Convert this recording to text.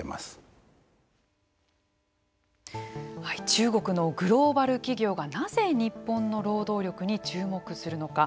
中国のグローバル企業がなぜ日本の労働力に注目するのか。